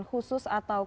khusus atas tim ini